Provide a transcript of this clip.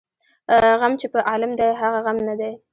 ـ غم چې په عالم دى هغه غم نه دى.